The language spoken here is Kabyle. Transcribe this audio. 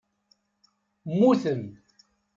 Muten